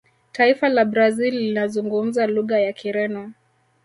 taifa la brazil linazungumza lugha ya kireno